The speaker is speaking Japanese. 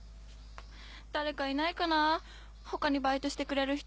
誰かいないかなぁ他にバイトしてくれる人。